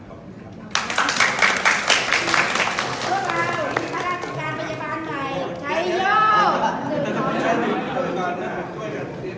ขอบคุณครับ